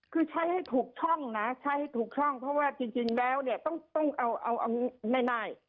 คือใช้ให้ถูกช่องนะใช้ให้ถูกช่องเพราะว่าจริงแล้วเนี่ยต้องเอาง่าย